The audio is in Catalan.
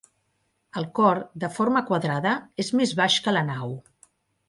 El cor, de forma quadrada, és més baix que la nau.